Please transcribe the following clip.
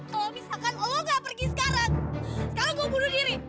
kalau misalkan oh gak pergi sekarang sekarang gue bunuh diri